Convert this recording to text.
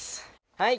はい！